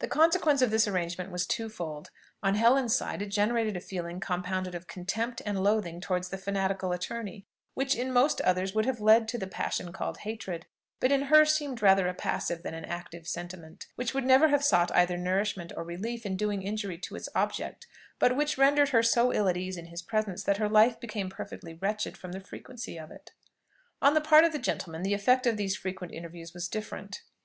The consequence of this arrangement was twofold. On Helen's side, it generated a feeling compounded of contempt and loathing towards the fanatical attorney, which in most others would have led to the passion called hatred; but in her it seemed rather a passive than an active sentiment, which would never have sought either nourishment or relief in doing injury to its object, but which rendered her so ill at ease in his presence that her life became perfectly wretched from the frequency of it. On the part of the gentleman, the effect of these frequent interviews was different.